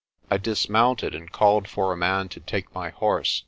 I dismounted and called for a man to take my horse.